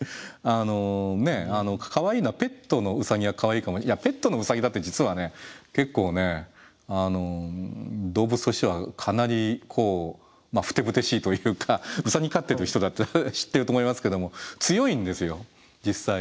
あのねえかわいいのはペットのウサギはかわいいかもいやペットのウサギだって実はね結構動物としてはかなりこうまあふてぶてしいというかウサギ飼ってる人だったら知ってると思いますけども強いんですよ実際。